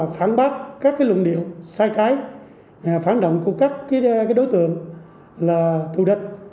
phản bác các luận điệu sai trái phản động của các đối tượng là thù địch